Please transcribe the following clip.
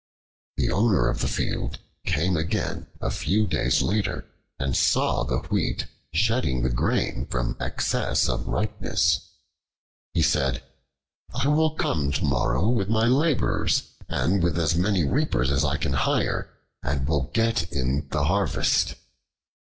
The owner of the field came again a few days later and saw the wheat shedding the grain from excess of ripeness. He said, "I will come myself tomorrow with my laborers, and with as many reapers as I can hire, and will get in the harvest."